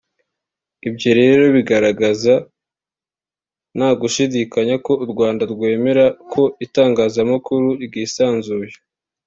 Ibyo rero bigaragaza nta gushidikanya ko u Rwanda rwemera ko itangazamakuru ryisanzuye